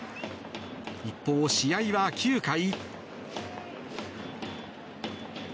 一方、試合は９回。